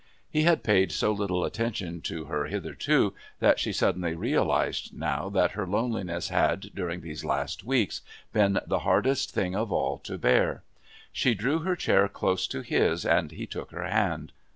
He had paid so little attention to her hitherto that she suddenly realised now that her loneliness had, during these last weeks, been the hardest thing of all to bear. She drew her chair close to his and he took her hand.